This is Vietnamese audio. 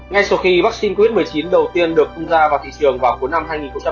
ngay sau khi vắc xin covid một mươi chín đầu tiên được cung ra vào thị trường vào cuối năm hai nghìn hai mươi